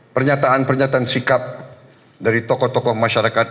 pernyataan pernyataan sikap dari tokoh tokoh masyarakat